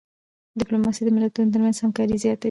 ډيپلوماسي د ملتونو ترمنځ همکاري زیاتوي.